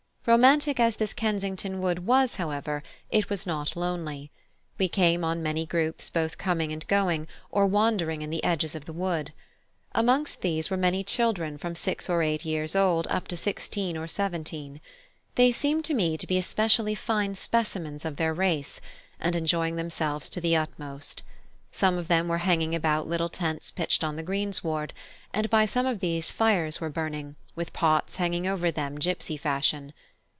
Romantic as this Kensington wood was, however, it was not lonely. We came on many groups both coming and going, or wandering in the edges of the wood. Amongst these were many children from six or eight years old up to sixteen or seventeen. They seemed to me to be especially fine specimens of their race, and enjoying themselves to the utmost; some of them were hanging about little tents pitched on the greensward, and by some of these fires were burning, with pots hanging over them gipsy fashion.